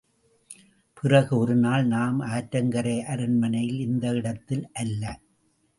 பிறகு ஒருநாள் நாம் ஆற்றங்கரை அரண்மனையில் இந்த இடத்தில் அல்ல.